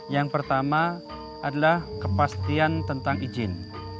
yang pertama adalah kepastian tentang izin